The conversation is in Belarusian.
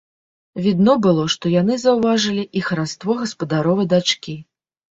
Відно было, што яны заўважылі і хараство гаспадаровай дачкі.